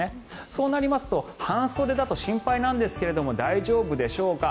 そうなりますと半袖だと心配なんですけれど大丈夫でしょうか。